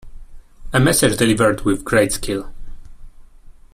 A message delivered with great skill.